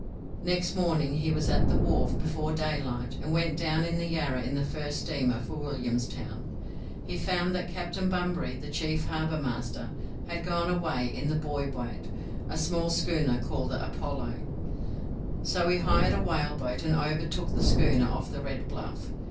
Next morning he was at the wharf before daylight, and went down the Yarra in the first steamer for Williamstown. He found that Captain Bunbury, the chief harbour master, had gone away in the buoy boat, a small schooner called the 'Apollo', so he hired a whale boat, and overtook the schooner off the Red Bluff.